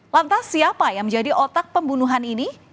lantas siapa yang menjadi otak pembunuhan ini